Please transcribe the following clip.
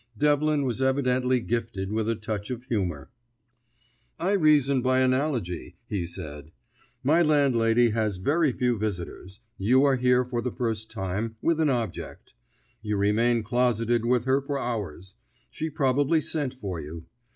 Devlin was evidently gifted with a touch of humour. "I reason by analogy," he said. "My landlady has very few visitors. You are here for the first time, with an object. You remain closeted with her for hours. She probably sent for you.